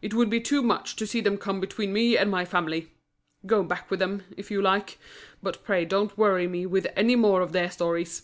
It would be too much to see them come between me and my family! Go back with them, if you like; but pray don't worry me with any more of their stories!"